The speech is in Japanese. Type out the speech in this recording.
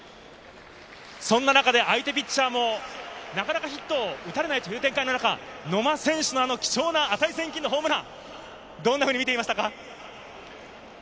そんな中で相手のピッチャーもなかなかヒットを打たれないという展開の中、野間選手の貴重な値千金のホームラン。